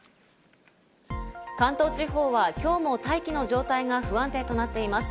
関東地方は今日も大気の状態が不安定となっています。